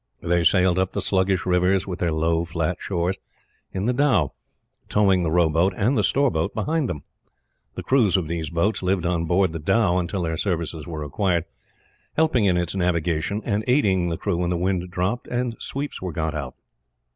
They sailed up the sluggish rivers, with their low, flat shores, in the dhow; towing the rowboat and the store boat behind them. The crews of these boats lived on board the dhow until their services were required, helping in its navigation and aiding the crew when the wind dropped and sweeps were got out.